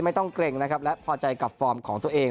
ไม่ต้องเกร็งและพอใจกับฟอร์มของตัวเอง